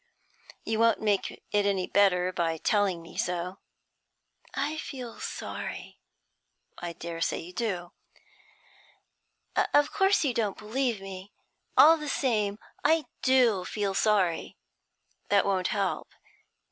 You won't make it any better by telling me so.' 'I feel sorry.' 'I dare say you do.' 'Of course you don't believe me. All the same, I do feel sorry.' 'That won't help.'